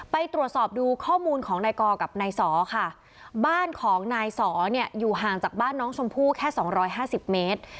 ไปตรวจสอบดูข้อมูลของนายกอกับนายสอค่ะบ้านของนายสอเนี่ยอยู่ห่างจากบ้านน้องชมพู่แค่๒๕๐เมตร